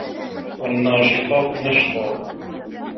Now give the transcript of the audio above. وَالنّاشِطاتِ نَشطًا